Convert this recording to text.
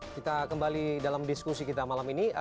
kita kembali dalam diskusi kita malam ini